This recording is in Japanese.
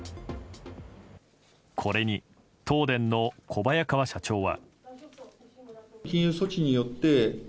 これに東電の小早川社長は。